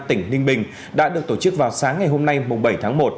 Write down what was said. tỉnh ninh bình đã được tổ chức vào sáng ngày hôm nay bảy tháng một